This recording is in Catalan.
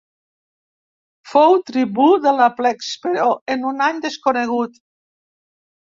Fou tribú de la plebs, però en un any desconegut.